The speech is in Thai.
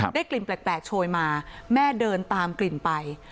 กลิ่นแปลกโชยมาแม่เดินตามกลิ่นไป